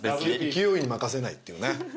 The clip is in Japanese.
勢いに任せないっていうね。